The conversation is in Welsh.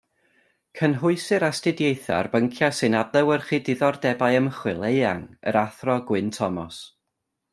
Cynhwysir astudiaethau ar bynciau sy'n adlewyrchu diddordebau ymchwil eang yr Athro Gwyn Thomas.